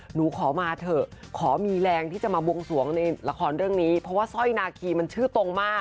หนูขอมาเถอะขอมีแรงที่จะมาบวงสวงในละครเรื่องนี้เพราะว่าสร้อยนาคีมันชื่อตรงมาก